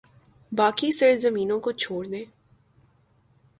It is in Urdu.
باقی سرزمینوں کو چھوڑیں۔